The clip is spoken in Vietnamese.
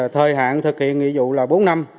thời hạn thực hiện nghị dụ là bốn năm